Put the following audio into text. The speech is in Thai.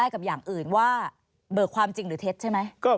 เขาเบิกความถึงใคร